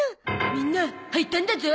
みんな履いたんだゾ。